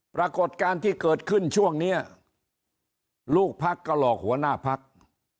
ปรากฏการณ์ที่เกิดขึ้นช่วงนี้ลูกพักก็หลอกหัวหน้าพัก